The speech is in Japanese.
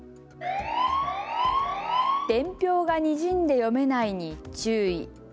伝票がにじんで読めないに注意。